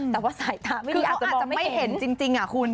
แต่ว่าสายตาไม่ดีอาจจะบอกไม่เห็นเขาอาจจะไม่เห็นจริงคุณ